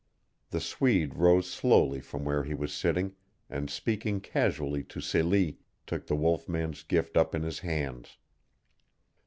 The Swede rose slowly from where he was sitting, and speaking casually to Celie, took the wolf man's gift up in his hands.